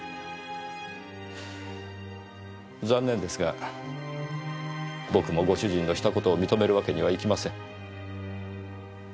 残念ですが僕もご主人のした事を認めるわけにはいきません。